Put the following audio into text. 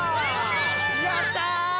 やった！